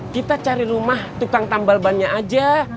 kita cari rumah tukang tambal bannya aja